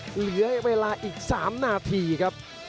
เหลือเวลาอีก๓นาทีครับ